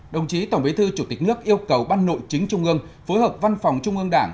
đồng chí tổng bí thư chủ tịch nước yêu cầu ban nội chính trung ương phối hợp văn phòng trung ương đảng